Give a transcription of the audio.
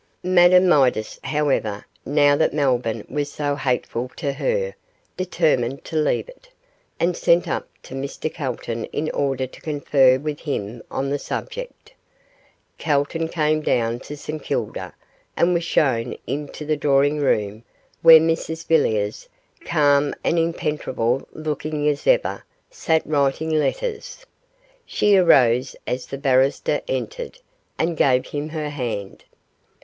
Madame Midas, however, now that Melbourne was so hateful to her, determined to leave it, and sent up to Mr Calton in order to confer with him on the subject. Calton came down to St Kilda, and was shown into the drawing room where Mrs Villiers, calm and impenetrable looking as ever, sat writing letters. She arose as the barrister entered, and gave him her hand.